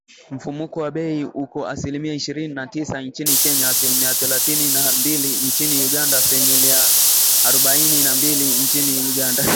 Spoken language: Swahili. Mfumuko wa bei uko asilimia ishirini na tisa nchini Kenya, asilimia thelathini na mbili nchini Uganda , asilimia arobaini na mbili nchini Uganda